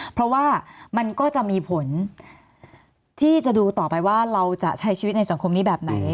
เพราะว่ามันก็จะมีผลที่จะดูต่อไปว่าเราจะใช้ชีวิตในสังคมนี้แบบไหน